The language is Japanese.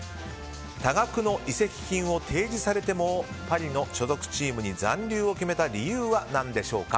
多額の移籍金を提示されてもパリの所属チームに残留を決めた理由は何でしょうか？